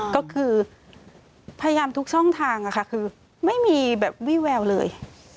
ก็คือพยายามทุกช่องทางค่ะคือไม่มีแบบวี่แววเลย